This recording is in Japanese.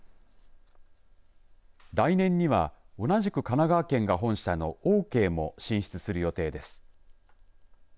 来年には同じく神奈川県が本社のオーケーも進出する予定です。